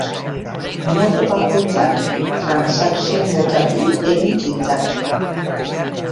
Nodo bakoitzak transakzio mota bi egin ditzake.